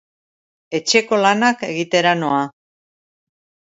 Etxeko lanak egitera noa